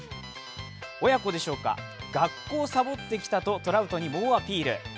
親子でしょうか、学校をサボってきたとトラウトに猛アピール。